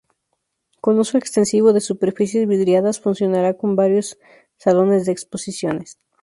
Con uso extensivo de superficies vidriadas, funcionará con varios salones de exposiciones.